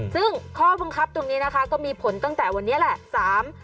ซึ่งข้อประกอบตรงนี้ก็มีผลตั้งแต่วันนี้ล่ะ